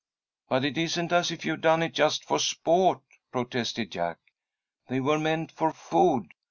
"But it isn't as if you'd done it just for sport," protested Jack. "They were meant for food.